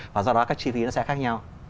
và do đó các chi phí nó sẽ khác nhau